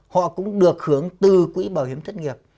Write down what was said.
họ cũng được hưởng từ quỹ bảo hiểm thất nghiệp